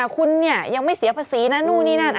คุณเนี่ยยังไม่เสียภาษีนะนู่นนี่นั่น